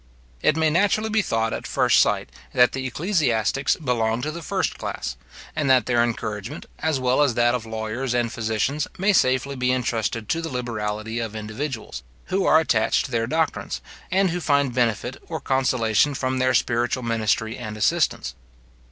"It may naturally be thought, at first sight, that the ecclesiastics belong to the first class, and that their encouragement, as well as that of lawyers and physicians, may safely be entrusted to the liberality of individuals, who are attached to their doctrines, and who find benefit or consolation from their spiritual ministry and assistance.